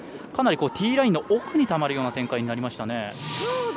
かなりティーラインの奥にたまるような展開になりましたね。